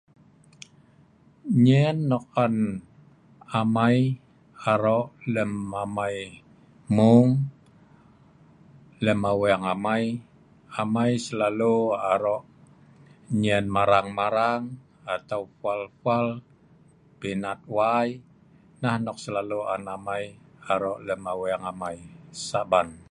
Nyen nok on amai aro' lem amai hmueng lem aweeng amai, amai selalu aro' nyen marang-marang atau pwal-pwal, pinat wai nah nok selalu an amai arok lem aweeng amai Saban.